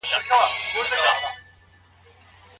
دلته اشاره سوې ده او اشاره معتبره ده.